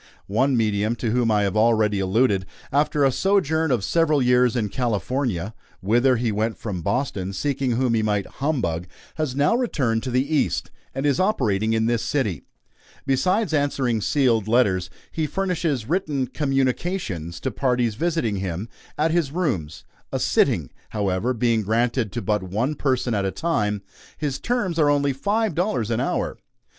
One medium to whom I have already alluded, after a sojourn of several years in California whither he went from Boston, seeking whom he might humbug has now returned to the East, and is operating in this city. Besides answering sealed letters, he furnishes written "communications" to parties visiting him at his rooms a "sitting," however, being granted to but one person at a time. His terms are only five dollars an hour.